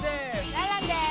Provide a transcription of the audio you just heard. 蘭々です。